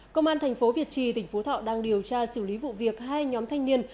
công an thành phố việt trì tỉnh phú thọ đang điều tra xử lý vụ việc hai nhóm thanh niên